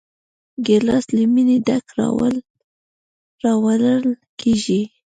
ګیلاس له مینې ډک راوړل کېږي.